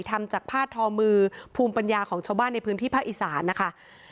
ทำจากผ้าทอมือภูมิปัญญาของชาวบ้านในพื้นที่ภาคอีสานนะคะ